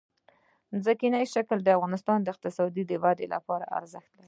ځمکنی شکل د افغانستان د اقتصادي ودې لپاره ارزښت لري.